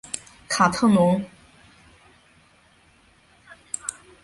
卡特农。